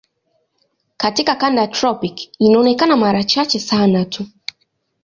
Katika kanda ya tropiki inaonekana mara chache sana tu.